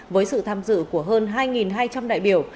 với sự tham dự của hơn hai hai trăm linh đại biểu